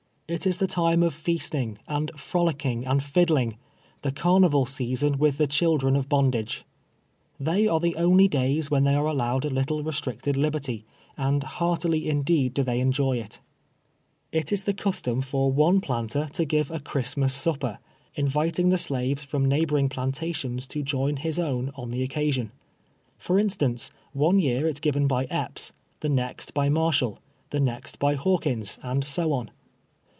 It is the time of feasting, and frolicking, and fiddling —■ the carnival season with the children of bondage. They are the only days when they are allowed a little restricted liberty, and heartily indeed do they enjoy it. 211 TWELVE YEARS A SLATE. It is the custom for one planter to give a " Christ mas su})per,'' inviting the shives from neighboring jjhmtiitions to ynn his own on the occasion; for in stance, one year it is given Ijy Epps, the nextl)y Mar shall, the next by Hawkins, and so on.